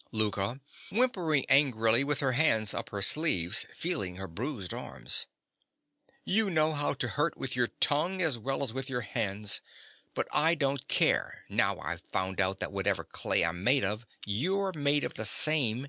_) LOUKA. (whimpering angrily with her hands up her sleeves, feeling her bruised arms). You know how to hurt with your tongue as well as with your hands. But I don't care, now I've found out that whatever clay I'm made of, you're made of the same.